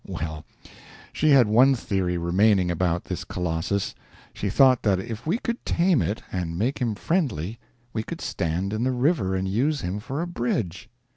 Well, she had one theory remaining about this colossus: she thought that if we could tame it and make him friendly we could stand him in the river and use him for a bridge.